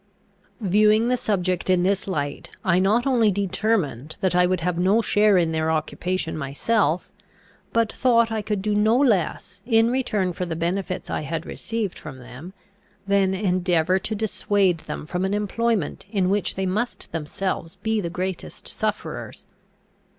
Viewing the subject in this light, I not only determined that I would have no share in their occupation myself, but thought I could not do less, in return for the benefits I had received from them, than endeavour to dissuade them from an employment in which they must themselves be the greatest sufferers.